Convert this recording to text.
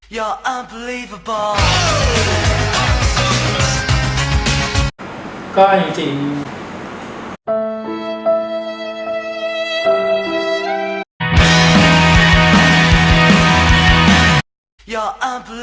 ก็จริงจริง